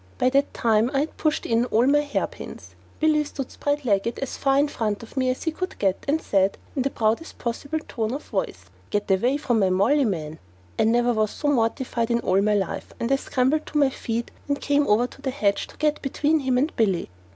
By that time I had pushed in all my hairpins. Billy stood spread legged as near in front of me as he could get, and said, in the rudest possible tone of voice "Get away from my Molly, man!" I never was so mortified in all my life, and I scrambled to my feet and came over to the hedge to get between him and Billy.